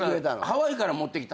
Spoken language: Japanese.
ハワイから持ってきた？